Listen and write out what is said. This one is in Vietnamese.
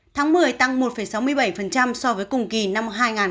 tháng một mươi tăng một sáu mươi bảy so với cùng kỳ năm hai nghìn hai mươi